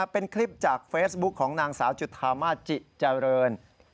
เป็นคลิปจากเฟซบุ๊คของนางสาวจุธามาสจิเจริญ